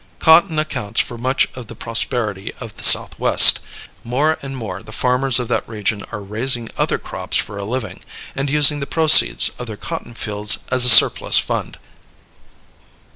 Cotton accounts for much of the prosperity of the Southwest. More and more the farmers of that region are raising other crops for a living, and using the proceeds of their cotton fields as a surplus fund.